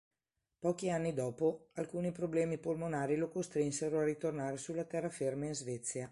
Pochi anni dopo, alcuni problemi polmonari lo costrinsero a ritornare sulla terraferma in Svezia.